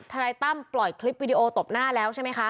นายตั้มปล่อยคลิปวิดีโอตบหน้าแล้วใช่ไหมคะ